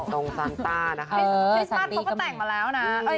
ตรงซันต้านะคะคริสต้านเขาก็แต่งมาแล้วนะ